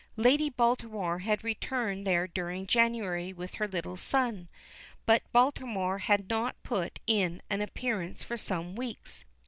Lady Baltimore had returned there during January with her little son, but Baltimore had not put in an appearance for some weeks later.